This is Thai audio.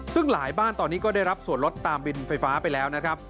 ซึ่งหลายบ้านตอนนี้ก็ได้รับส่วนลดตามบินไฟฟ้าไปแล้วนะครับ